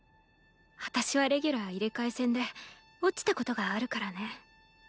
私はレギュラー入れ替え戦で落ちたことがあるからね。